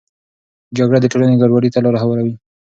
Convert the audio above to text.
جګړه د ټولنې ګډوډي ته لاره هواروي.